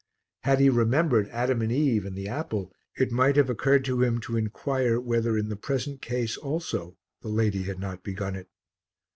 Had he remembered Adam and Eve and the apple it might have occurred to him to inquire whether in the present case also the lady had not begun it.